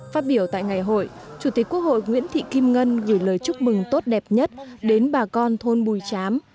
phát biểu tại ngày hội chủ tịch quốc hội nguyễn thị kim ngân gửi lời chúc mừng tốt đẹp nhất đến bà con thôn bùi chám